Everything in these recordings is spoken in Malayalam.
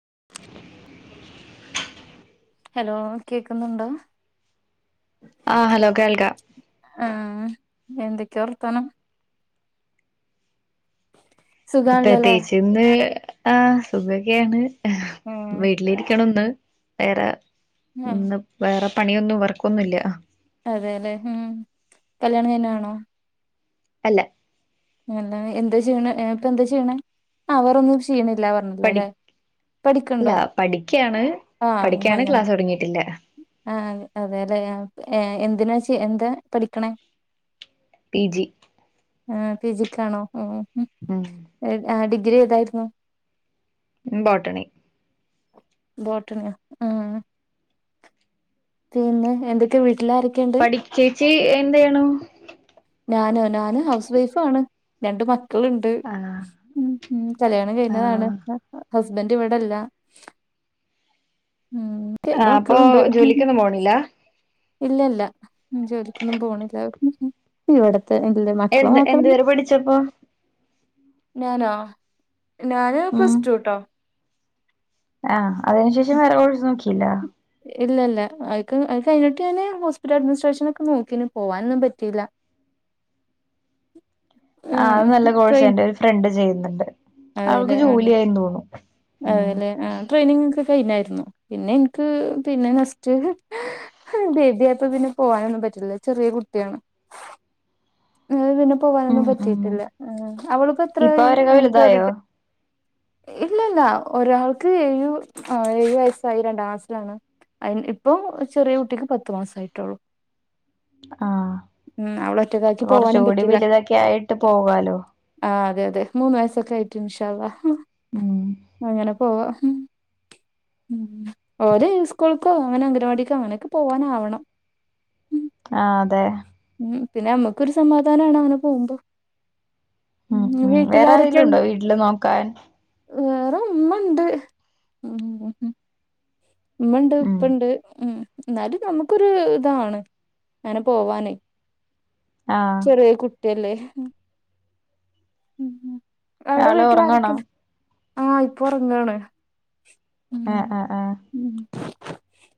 [inaudible] ഹലോ കേക്കുന്നുണ്ടോ? ആഹ് ഹലോ കേൾക്കാം. ആഹ് എന്തൊക്കെയാ വർത്താനം? സുഖാണല്ലോല്ലേ പ്രത്യേകിച്ച് എന്തെ, ആഹ് സുഖയൊക്കെയാണ് ഉം വീട്ടില് ഇരിക്കണം ഒന്ന്. നേരാ, ആഹ് ഇന്നിപ്പോ വേറെ പണിയൊന്നും വർക്ക്‌ ഒന്നും ഇല്ല്യ. അതെല്ലേ, ഉം കല്യാണം കഴിഞ്ഞതാണോ? അല്ല പിന്നെന്താണ് എന്താ ചെയ്യണേ, ഏഹ് എന്താ ചെയ്യണേ, ആഹ് വേറൊന്നും ചെയ്യണില്ല പഠി പറഞ്ഞല്ലോല്ലേ. അല്ല പഠിക്കയാണ്, ആഹ് പഠിക്കാണ് അങ്ങനെ ക്ലാസ്സ് തുടങ്ങിട്ടില്ല. ആഹ് അതെല്ലേ ഏഹ് എന്തിനാ ചെ എന്താ പഠിക്കണേ? പി ജി ആഹ് പി ജി ക്കാണോ, ഉം ഉം ഉം ആഹ് ഡിഗ്രി ഏതായിരുന്നു? ബോട്ടണി ബോട്ടണിയോ ആഹ്. പിന്നെ എന്തൊക്കെയാ, വീട്ടില് ആരൊക്കെയുണ്ട്. ചി എന്തെണു- ഞാനോ ഞാന് ഹൗസ് വൈഫ് ആണ് രണ്ട മക് ക്കളുണ്ട് ആഹ് കല്യാണം കഴിഞ്ഞതാണ്- ആഹ് ഹസ്ബൻറ് ഇവിടെല്ല- മ് ആഹ് അപ്പൊ എത്രമക്കളുണ്ട്- ജോലിക്കൊന്നും പോണില്ല ഇല്ലല്ല ജോലിക്കൊന്നും പോണില്ല ഇവിടെ- തന്നെ [unintelligible] മക്കള് എന്ത് മാത്രേള്ളു- എന്തുവരെ പഠിച്ചപ്പോ ഞാനോ ഞാന് ഉം പ്ലസ്റ്റു ട്ടോ- ആഹ് അതിനു ശേഷം വേറെ കോഴ്സ് നോക്കിയില്ല. ഇല്ലല്ല അ അത് കഴിഞ്ഞിട്ട് ഞാന് ഹോസ്പിറ്റൽ അഡ്മിനിസ്ട്രേഷനൊക്കെ നോക്കിന് പോവാനൊന്നും പറ്റീല്ല- ആഹ് ഉം അത് നല്ല കോഴ്സാ ട്രെയിൻ എന്റെ ഒരു ഫ്രണ്ട് ചെയ്യുന്നുണ്ട്. അതെല്ലേ അവൾക്ക് ആണ് ജോലിയായിന്ന് തോന്നുന്നു ഉം അതെല്ലേ ആഹ് ട്രെയിനിങ് ഒക്കെ. കഴിഞ്ഞായിരുന്നു, പിന്നെ എനിക്ക് പിന്നെ നെക്സ്റ്റ് ബേബി ആയപ്പോ പിന്നെ പോകാനൊന്നും പറ്റി പറ്റില്ല ചെറിയ കുട്ടിയാണ്. [unintelligible] പോകാനൊന്നും പറ്റിട്ടില്ല, ഉം അവളിപ്പോ എത്രയായി ര ആയോ? ഇല്ലല്ല, ഒരാൾക്ക് ഏഴും ആഹ് ഏഴു വയസ്സായി രണ്ടാം ക്ലാസ്സിലാണ്. അയിന് ഇപ്പൊ ചെറിയ കുട്ടിക്ക് പത്തു മാസമായിട്ടുള്ളൂ. ആഹ് ഉം അവളെ ഒറ്റയ്ക്കാക്കി പോവാനും കൊറച്ചുകൂടി പറ്റില്ല. വലുതൊക്കെ ആയിട്ട് പോകാലോ ആഹ് അതെ അതെ മൂന്ന് വയസ്സൊക്കെ ആയിട്ടു, ഇൻഷാ അള്ളാ ഉം അങ്ങനെ. ഓ ഓര് ഉസ്കൂൾക്കോ അങ്ങനെ അംഗനവാടിക്കോ അങ്ങനൊക്കെ പോവാനാവണം- മ്- ആ അതെ- ഉം പിന്നെ അമുക്കൊരു സമാധാനാണ് അങ്ങനെ പോകുമ്പോ- ഉം വേറെ ഇവീട്ടിലാരൊക്കെ ആരെങ്കിലും ഉണ്ടോ വീട്ടില് നോക്കാൻ വേറെ - ഉമ്മണ്ട്- ഉമ്മണ്ട് ഉം ഉപ്പണ്ട്- ന്നാലും നമുക്കൊരുതാണ് അങ്ങനെ പോവാനെ- ആഹ് ചെറിയ കുട്ടിയല്ലേ. ഉം അവിടെ ആള് ഉറങ്ങാണോ വീട്ടിലാരെക്കെ ആഹ് ഇപ്പൊ ഒറങ്ങാണ്- ആഹ് ആഹ് ആഹ്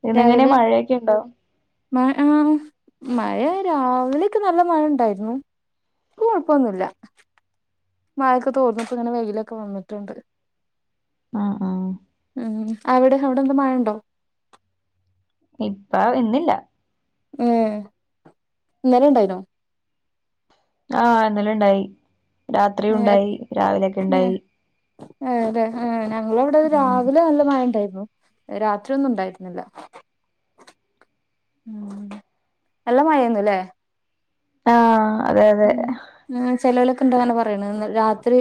പിന്നെങ്ങനെ രാവിലെ മഴയൊക്കെ ഇണ്ടോ? മ ആ മഴ രാവിലെയൊക്കെ നല്ല മഴ ഉണ്ടായിരുന്നു. ക്ക് കൊഴപ്പം ഒന്നുല്ല. മായയൊക്കെ തോർന്നിട്ട് ഇങ്ങനെ വെയിലൊക്കെ വന്നിട്ടുണ്ട് ആഹ് ആഹ് - ഉം അവിടെ അവിടെ എന്ത മഴണ്ടോ? ഇപ്പ ഇന്നില്ല- ഏ ഇന്നലെ ഉണ്ടായിന്നോ? ആ ഇന്നലെ ഇണ്ടായി രാത്രി ഏഹ് ഉണ്ടായി രാവി [unintelligible] അതെ ഞങ്ങളവ്ടെ ഉം രാവിലെ നല്ല മഴയുണ്ടായിരുന്നു. രാത്രി ഒന്നും ഉണ്ടായിരുന്നില്ല. ഉം നല്ല മഴെന്നു ലെ? ആഹ് അതെ അതെ [inaudible] ചെലോലെക്കെ ഉണ്ട് ഇങ്ങനെ പറേണേന്ന് രാത്രി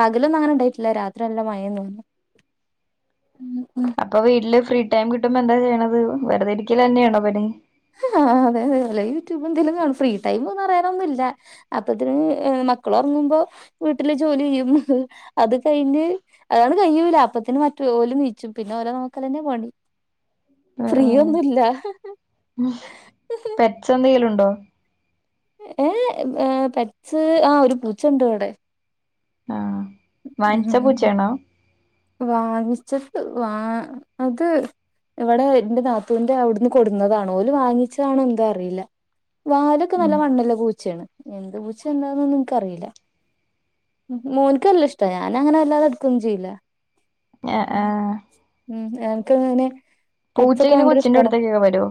പകലൊന്നും അങ്ങനെ ഉണ്ടായിട്ടില്ല രാത്രി നല്ല മഴ [unintelligible] [inaudible] അപ്പോ വീട്ടില് ഫ്രീ ടൈം കിട്ടുമ്പോ എന്താ ചെയ്യണത്? വെറുതെ ഇരിക്കലെന്നെയാണോ പണി? ആ അതെ അതെ വല്ല യൂട്യൂബ് എന്തേലും കാണും ഫ്രീ ടൈം ഒന്നും പറയാനൊന്നുമില്ല അപ്പത്തിന് മക്കളൊറങ്ങുമ്പോ വീട്ടിലെ ജോലി ചെയ്യും. അത് കയിഞ്ഞ് അത്ങ്ങട് കയ്യൂല അപ്പോത്തിന് റ്റു ഓലും നീച്ചും പിന്നെ ഓരെ നോക്കല്ലന്നെ പണി ആഹ് ഫ്രീ ആഹ് ഒന്നുല്ല പെറ്റ്സ് എന്തെങ്കിലുണ്ടോ? ഏ ഏ പെറ്റ്സ് ആ ഒരു പൂച്ചണ്ട് ഇവിടെ. ആഹ് മ് വാങ്ങിച്ച മ് പൂച്ചയാണോ വാ വിച്ച വാ അത് ഇവിടെ എന്റെ നാത്തൂവിന്റെ അവിടുന്ന് കൊടുന്നതാണ് ഓല് വാങ്ങിച്ചതാണോ എന്തോ അറിയില്ല. വാലൊക്കെ നല്ല ഉം വണ്ണലള്ള പൂച്ചയാണ് എന്ത് പൂച്ചേ എന്താ ഒന്നും എനിക്കറിയില്ല. മോൻക്ക് നല്ല ഇഷ്ട്ടാ ഞാനങ്ങനെ അല്ലാതെ എടുക്കൊന്നും ചെയ്യില്ല. ങ് ആ മ് എനക്ക് എങ്ങനെ പൂച്ചയ്ന് കൊച്ചിന്റെ അടുത്തേക്കൊക്കെ വരുവോ?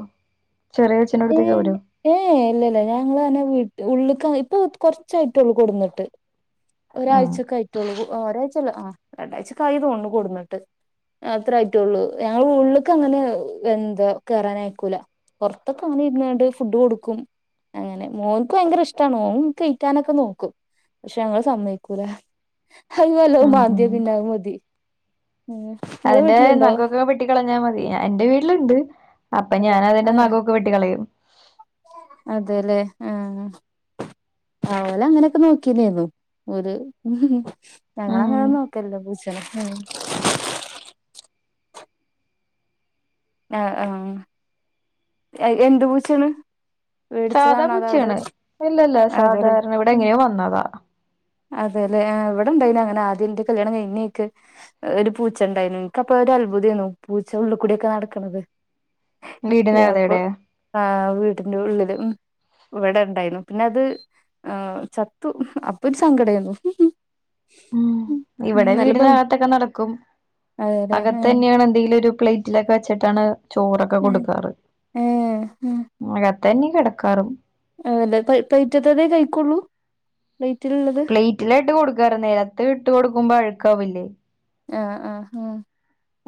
ഏ ഏ ഇല്ല ഇല്ല ഞങ് തന്നെ വീ ഉളള്ക്ക ഇപ്പൊ കൊറച്ചായിട്ടൊള്ളൂ കൊടുന്നിട്ട് ഉം ഒരാഴ്ച്ചക്കായിട്ട്. രണ്ടാഴ്ച്ച ഒക്കെ ആയി തോന്നുന്നു കൊടുന്നിട്ട്. അത്രെ ആട്ടൊള്ളൂ ഞങ്ങൾ ഉള്ളിക്ക അങ്ങനെ എന്തൊ കേറാൻ ആയിക്കൂല പുറത്തൊക്കെ അങ്ങനെ ഇരിന്നാണ്ട് ഫുഡ് കൊടുക്കും അങ്ങനെ, മോൻക്ക് ഭയങ്കര ഇഷ്ടമാണ് ഓൻ തീറ്റാനൊക്കെ നോക്കും. പക്ഷെ ഞങ്ങള് സമ്മതിക്കൂല, അത് വല്ലോ ഉം മാന്തിയ ഉം പിന്നെ അത് മതി. ഉം നിങ്ങളെ അതിന്റെ വീട്ടിലുണ്ടോ നഖം ഒക്കെ വെട്ടിക്കളഞ്ഞാ മതി എന്റെ വീട്ടിലും ഉണ്ട് അപ്പോ ഞാനതിന്റെ നഖം ഒക്കെ വെട്ടി കളയും. അതെ ലെ ആ ആ ഓള് അങ്ങനെയൊക്കെ നോക്കിയതയ്നു ഓല് ഞങ്ങൾ അങ്ങനെ ഉം ഒന്നും നോക്കലില്ല പൂച്ചനെ. മ് ആ ആ എ എന്ത് പൂച്ചേണ്? സാധാ പുച്ചയാണ്, ഇല്ല ഇല്ല സാധാരണ ഇവിടെ എങ്ങനെയോ വന്നതാ. അതെ ലെ ഇവിടെണ്ടായിനിം അങ്ങനെ ആദ്യം എന്റെ കല്യാണം കഴിഞ്ഞേക്ക് ഒരു പൂച്ച ഉണ്ടായിനിം എനിക്കപ്പ ഒരൽത്ഭുതയ്നു പൂച്ച ഉുള്ളിക്കൂടിയൊക്കെ നടക്കുന്നത് യാ വീടിനകത്ത് അപ്പൊ എവിടെയാ ആ വീടിന്റെ ഉള്ളില് ഉം ഇവിടെ ഉണ്ടായിനു പിന്നെ അത് ചത്തു അപ്പോ ഒരു സങ്കടയ്ന്നു. ഉം ഇവിടെ ഭം വീടിനകത്തൊക്കെ നടക്കും അതെല്ലെ അകത്ത് ആഹ് തന്നെയാണ് എന്തെങ്കിലും ഒരു പ്ലേറ്റിലൊക്കെ വെച്ചിട്ടാണ് ചോറൊക്കെ കൊടുക്കാറ് ഏഹ് [unintelligible] തന്നെ കിടക്കാറും. [unintelligible] പൈ പ്ലൈറ്റ്ത്തതേ കഴിക്കൊള്ളൂ പ്ലേറ്റിലായിട്ട് കൊടുക്കാർ നെലത്ത് ഇട്ട് കൊടുക്കുമ്പോ അഴുക്കാവില്ലേ? ആ ആ ആ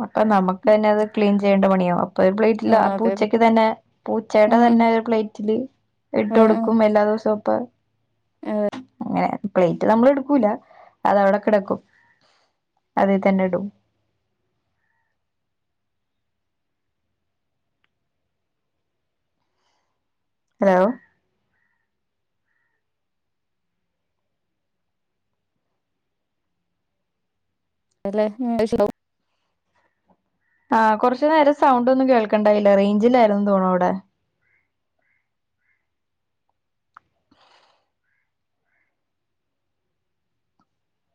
അപ്പൊ നമുക്കെന്നെ അത് ക്ലീൻ ചെയ്യേണ്ട പണിയാവും അപ്പൊ ഒരു പ്ലെറ്റില് ആ ആഹ് അതെ പൂച്ചക്ക് തെന്നെ പൂചേടെ ഉം ഉം തെന്നെ ന്നെ ഒരു പ്ലേറ്റില് ഇട്ട് കൊടുക്കും എല്ലാ ദിവസവും ഇപ്പാ ഏഹ് ഏ പ്ലേറ്റ് നമ്മൾ എടുക്കൂല, അതവിടെ കിടക്കും. അതി തന്നെ ഇടും. ഹലോ അല്ലെ [unintelligible] ആഹ് കൊറച്ചു നേരം സൗണ്ട് ഒന്നും കേൾക്കണ്ടായില്ല റേയ്ഞ്ചില്ലായിരുന്നു തോന്ന്ണു അവടെ.